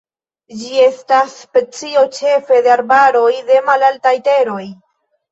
Ĝi estas specio ĉefe de arbaroj de malaltaj teroj.